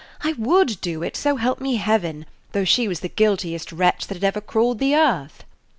I would do it, so help me Heaven, though she was the guiltiest wretch that had ever crawled the earth!"